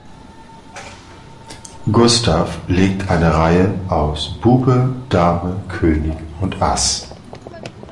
Gustav legt eine Reihe aus Bube, Dame, König und Ass.